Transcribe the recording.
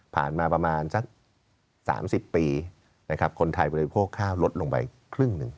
มาประมาณสัก๓๐ปีนะครับคนไทยบริโภคข้าวลดลงไปครึ่งหนึ่ง